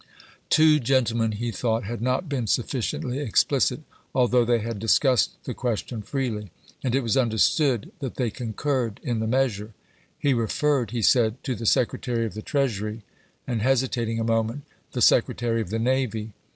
Two gentlemen, he thought, had not been sufficiently explicit, although they had discussed the question freely, and it was understood that thej concurred in the measure. He referred, he said, to the Secretary of the Treasury and (hesitating a moment) the Secretary of the Navy.